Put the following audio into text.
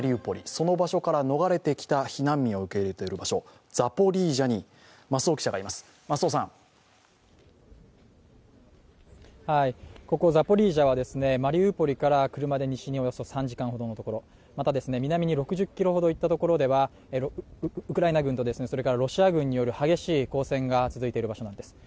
その場所から逃れてきた避難民を受け入れてきたザポリージャにここ、ザポリージャはマリウポリから車で西に３０分ほど、また南に６０ｋｍほど行ったところではウクライナ軍とロシア軍による激しい交戦が続いている場所です。